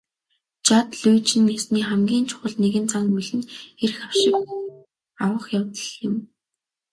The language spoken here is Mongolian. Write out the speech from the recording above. Жод лүйжин ёсны хамгийн чухал нэгэн зан үйл нь эрх авшиг авах явдал юм.